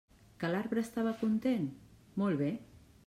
Que l'arbre estava content..., molt bé!